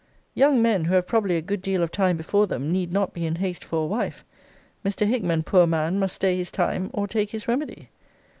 Young men, who have probably a good deal of time before them need not be in haste for a wife. Mr. Hickman, poor man! must stay his time, or take his remedy.